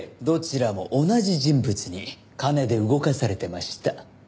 どちらも同じ人物に金で動かされてました。